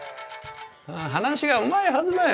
ハナシがうまいはずだよ。